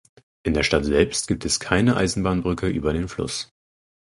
In der Stadt selbst gibt es keine Eisenbahnbrücke über den Fluss.